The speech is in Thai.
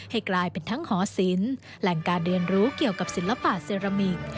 ให้กลายเป็นทั้งหอศิลป์แหล่งการเรียนรู้เกี่ยวกับศิลปะเซรามิก